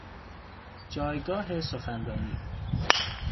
جایگاه سخنرانی